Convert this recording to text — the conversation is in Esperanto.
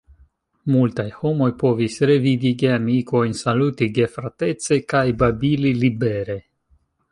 Multaj homoj povis revidi geamikojn, saluti gefratece, kaj babili libere.